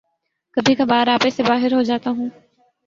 کبھی کبھار آپے سے باہر ہو جاتا ہوں